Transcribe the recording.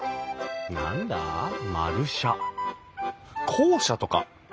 校舎とか？